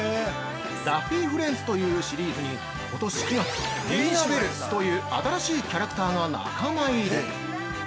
「ダッフィー＆フレンズ」というシリーズに、ことし９月、「リーナ・ベル」という新しいキャラクターが仲間入り！